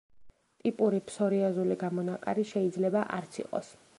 ტიპური ფსორიაზული გამონაყარი შეიძლება არც იყოს.